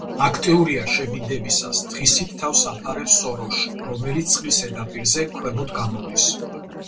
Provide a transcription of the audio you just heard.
აქტიურია შებინდებისას, დღისით თავს აფარებს სოროში, რომელიც წყლის ზედაპირზე ქვემოთ გამოდის.